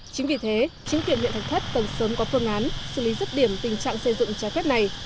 chính vì thế chính quyền huyện thạch thất cần sớm có phương án xử lý rứt điểm tình trạng xây dựng trái phép này